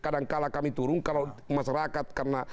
kalau masyarakat karena dianggap kita adalah warga